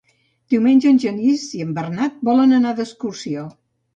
Diumenge en Genís i en Bernat volen anar d'excursió.